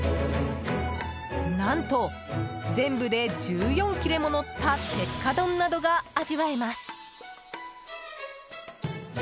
何と全部で１４切れものった鉄火丼などが味わえます。